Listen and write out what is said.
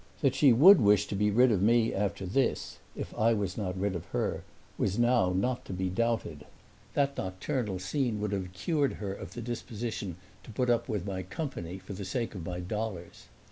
That she would wish to be rid of me after this (if I was not rid of her) was now not to be doubted: that nocturnal scene would have cured her of the disposition to put up with my company for the sake of my dollars.